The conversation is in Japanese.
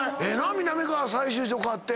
みなみかわ再就職あって。